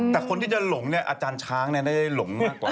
แต่คนที่จะหลงเนี่ยอาจารย์ช้างได้หลงมากกว่า